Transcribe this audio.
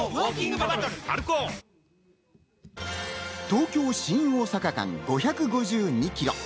東京ー新大阪間、５５２キロ。